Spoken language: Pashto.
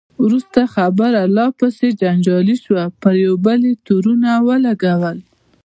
وروسته خبره لا پسې جنجالي شوه، پر یو بل یې تورونه ولګول.